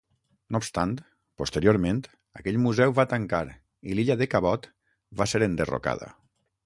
No obstant, posteriorment aquell museu va tancar i l'illa de "Cabot" va ser enderrocada.